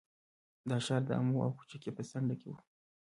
دا ښار د امو او کوکچې په څنډه کې و